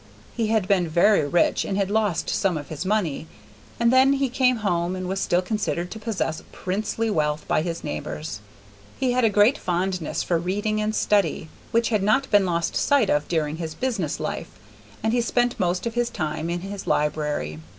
He had been very rich and had lost some of his money, and then he came home and was still considered to possess princely wealth by his neighbors. He had a great fondness for reading and study, which had not been lost sight of during his business life, and he spent most of his time in his library.